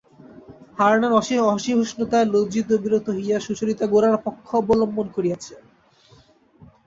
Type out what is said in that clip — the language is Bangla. হারানের অসহিষ্ণুতায় লজ্জিত ও বিরক্ত হইয়া সুচরিতা গোরার পক্ষ অবলম্বন করিয়াছে।